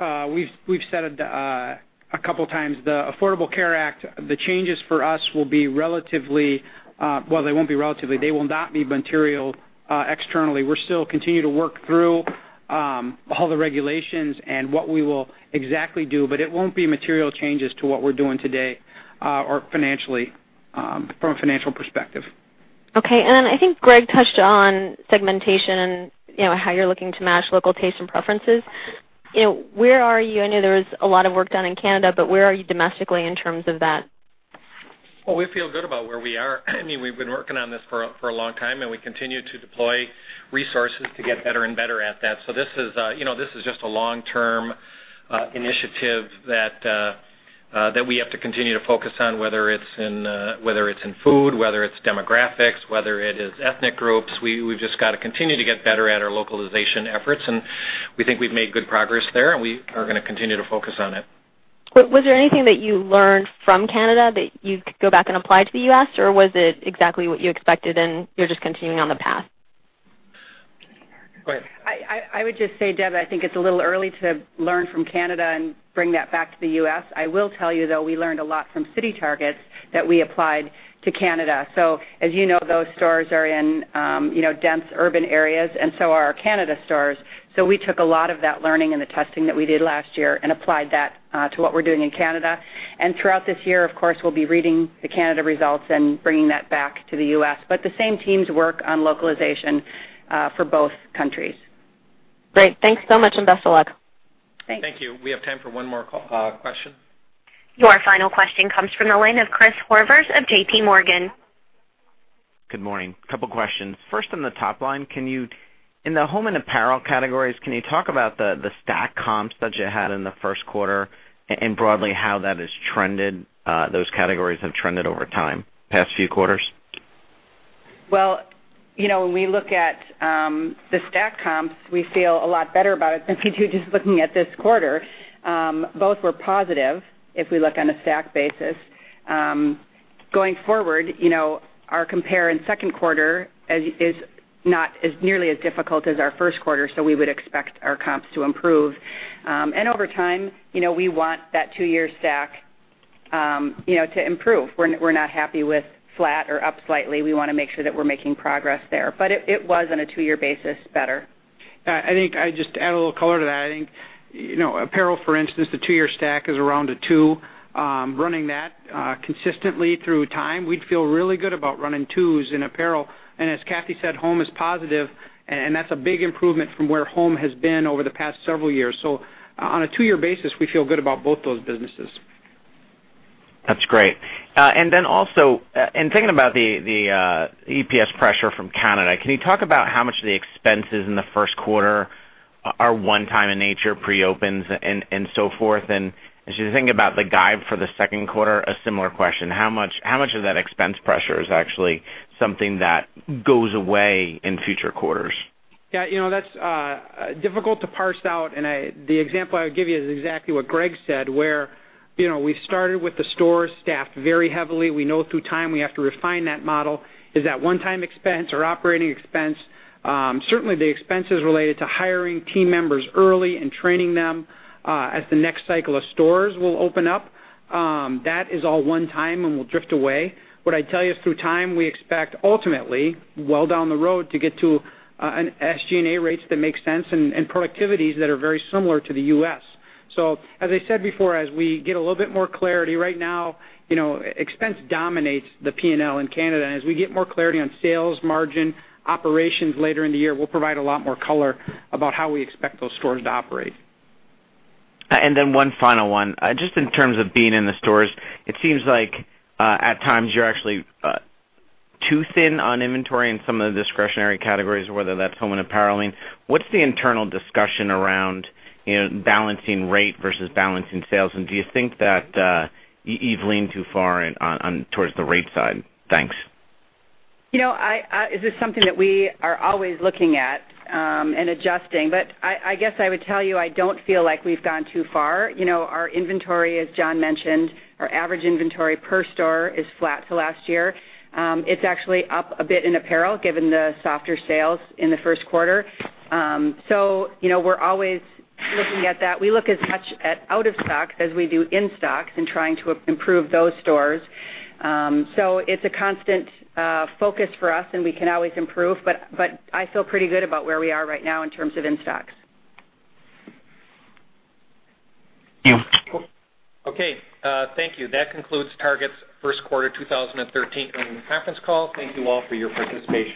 we've said a couple times, the Affordable Care Act, the changes for us will be relatively-- well, they won't be relatively, they will not be material externally. We still continue to work through all the regulations and what we will exactly do, but it won't be material changes to what we're doing today, or financially, from a financial perspective. Okay. I think Gregg touched on segmentation and how you're looking to match local taste and preferences. Where are you? I know there was a lot of work done in Canada, but where are you domestically in terms of that? Well, we feel good about where we are. We've been working on this for a long time, and we continue to deploy resources to get better and better at that. This is just a long-term initiative that we have to continue to focus on, whether it's in food, whether it's demographics, whether it is ethnic groups. We've just got to continue to get better at our localization efforts, and we think we've made good progress there, and we are gonna continue to focus on it. Was there anything that you learned from Canada that you could go back and apply to the U.S., or was it exactly what you expected, and you're just continuing on the path? Go ahead. I would just say, Deborah, I think it's a little early to learn from Canada and bring that back to the U.S. I will tell you, though, we learned a lot from CityTarget that we applied to Canada. As you know, those stores are in dense urban areas, and so are our Canada stores. We took a lot of that learning and the testing that we did last year and applied that to what we're doing in Canada. Throughout this year, of course, we'll be reading the Canada results and bringing that back to the U.S. The same teams work on localization for both countries. Great. Thanks so much, and best of luck. Thanks. Thank you. We have time for one more question. Your final question comes from the line of Christopher Horvers of JPMorgan. Good morning. Couple questions. First on the top line. In the home and apparel categories, can you talk about the stack comps that you had in the first quarter, and broadly how those categories have trended over time, past few quarters? Well, when we look at the stack comps, we feel a lot better about it than just looking at this quarter. Both were positive if we look on a stack basis. Going forward, our compare in second quarter is not as nearly as difficult as our first quarter. We would expect our comps to improve. Over time, we want that two-year stack to improve. We're not happy with flat or up slightly. We want to make sure that we're making progress there. It was on a two-year basis better. I think I just add a little color to that. I think apparel, for instance, the two-year stack is around a two. Running that consistently through time, we'd feel really good about running twos in apparel. As Kathee said, home is positive, and that's a big improvement from where home has been over the past several years. On a two-year basis, we feel good about both those businesses. That's great. Thinking about the EPS pressure from Canada, can you talk about how much of the expenses in the first quarter are one time in nature, pre-opens and so forth? As you think about the guide for the second quarter, a similar question, how much of that expense pressure is actually something that goes away in future quarters? Yeah. That's difficult to parse out. The example I would give you is exactly what Gregg said, where we started with the stores staffed very heavily. We know through time we have to refine that model. Is that one-time expense or operating expense? Certainly the expenses related to hiring team members early and training them as the next cycle of stores will open up, that is all one time and will drift away. What I'd tell you is through time, we expect ultimately, well down the road, to get to an SG&A rates that make sense and productivities that are very similar to the U.S. As I said before, as we get a little bit more clarity, right now expense dominates the P&L in Canada. As we get more clarity on sales margin operations later in the year, we'll provide a lot more color about how we expect those stores to operate. One final one. Just in terms of being in the stores, it seems like at times you're actually too thin on inventory in some of the discretionary categories, whether that's home and apparel. What's the internal discussion around balancing rate versus balancing sales, and do you think that you've leaned too far towards the rate side? Thanks. This is something that we are always looking at and adjusting, but I guess I would tell you, I don't feel like we've gone too far. Our inventory, as John mentioned, our average inventory per store is flat to last year. It's actually up a bit in apparel, given the softer sales in the first quarter. We're always looking at that. We look as much at out of stocks as we do in stocks and trying to improve those stores. It's a constant focus for us, and we can always improve, but I feel pretty good about where we are right now in terms of in stocks. Thank you. Okay. Thank you. That concludes Target's first quarter 2013 earnings conference call. Thank you all for your participation.